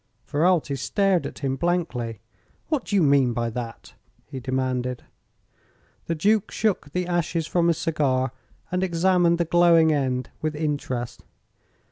Ferralti stared at him blankly. "What do you mean by that?" he demanded. The Duke shook the ashes from his cigar and examined the glowing end with interest.